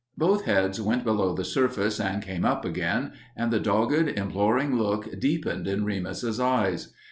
Both heads went below the surface and came up again, and the dogged, imploring look deepened in Remus's eyes.